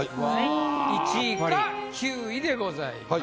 １位か９位でございます。